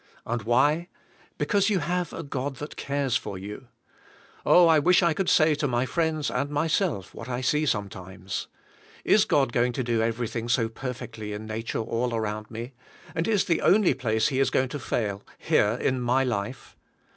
And why? Because you have a God that cares for you. Oh I wish I could say to my friends and myself what I see sometimes. Is God going to do everything so perfectly in nature all around me, and is the only place He is going to fail here in my life?